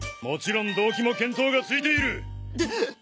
もちろん動機も見当がついている！